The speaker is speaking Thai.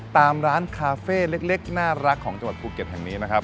ตามร้านคาเฟ่เล็กน่ารักของจังหวัดภูเก็ตแห่งนี้นะครับ